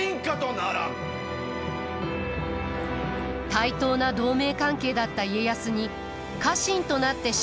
対等な同盟関係だった家康に家臣となって従うことを要求します。